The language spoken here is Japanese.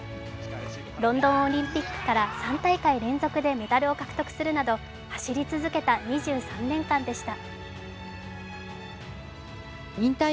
ロンドンオリンピックから３大会でメダルを獲得するなど走り続けた２３年間でした。